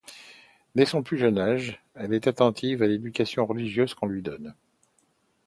Dès son plus jeune âge, elle est attentive à l'éducation religieuse qu'on lui donne.